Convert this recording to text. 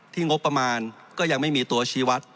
งบประมาณก็ยังไม่มีตัวชีวัตร